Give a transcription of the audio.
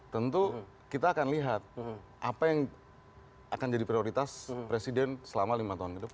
tentu kita akan lihat apa yang akan jadi prioritas presiden selama lima tahun ke depan